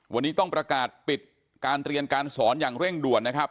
วันนี้ต้องประกาศปิดการเรียนการสอนอย่างเร่งด่วนนะครับ